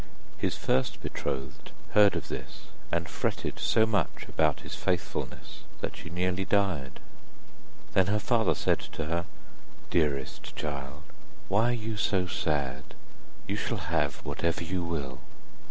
His first betrothed heard of this, and fretted so much about his faithfulness that she nearly died. Then her father said to her: 'Dearest child, why are you so sad? You shall have whatsoever you will.